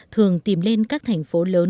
thường tìm lên các thành phố lớn kiếm sống